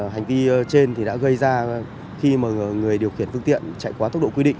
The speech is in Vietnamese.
hành vi trên đã gây ra khi người điều khiển phương tiện chạy quá tốc độ quy định